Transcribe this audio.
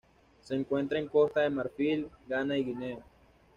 Se encuentra en Costa de Marfil, Ghana y Guinea.